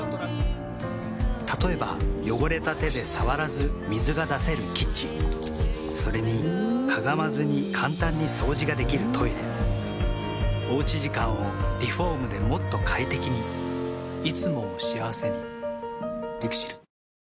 例えば汚れた手で触らず水が出せるキッチンそれにかがまずに簡単に掃除ができるトイレおうち時間をリフォームでもっと快適にいつもを幸せにＬＩＸＩＬ。